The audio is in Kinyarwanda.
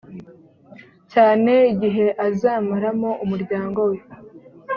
cyane igihe azamaramo umuryango we